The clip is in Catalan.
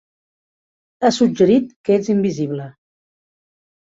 Has suggerit que ets invisible.